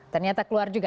ternyata keluar juga